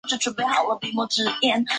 担任齐星集团的董事长。